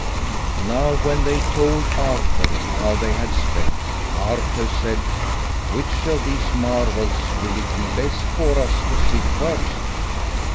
Now, when they told Arthur how they had sped, Arthur said, "Which of these marvels will it be best for us to seek first?"